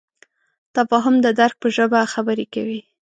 تفاهم د درک په ژبه خبرې کوي.